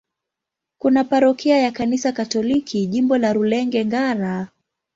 Kuna parokia ya Kanisa Katoliki, Jimbo la Rulenge-Ngara.